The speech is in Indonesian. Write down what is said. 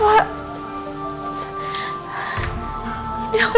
jangan pergi sebagian bawah